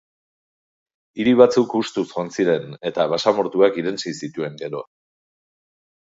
Hiri batzuk hustuz joan ziren eta basamortuak irentsi zituen gero.